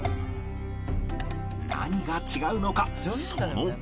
何が違うのかそのお味は